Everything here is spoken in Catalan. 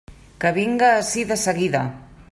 Que vinga ací de seguida!